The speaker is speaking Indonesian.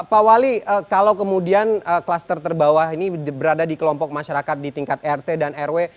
pak wali kalau kemudian kluster terbawah ini berada di kelompok masyarakat di tingkat rt dan rw